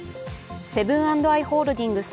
セブン＆アイ・ホールディングス